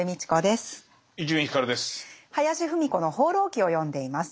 林芙美子の「放浪記」を読んでいます。